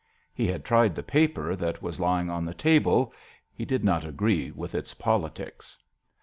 He had tried the paper that was lying on the table. He did not agree with its politics.